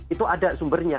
itu ada sumbernya